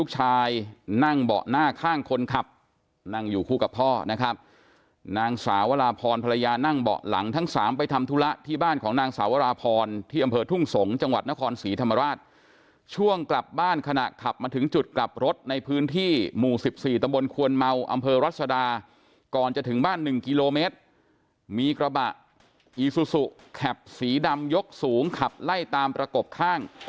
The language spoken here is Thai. จะถึงบ้าน๑กิโลเมตรมีกระบะอีซูซูแข็บสีดำยกสูงขับไล่ตามประกบข้าง